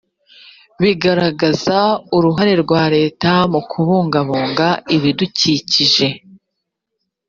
bigaragaza uruhare rwa leta mu kubungabunga ibidukikije